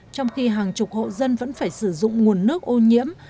trong khi hàng chục hộ dân vẫn phải sử dụng nguồn nước ô nhiễm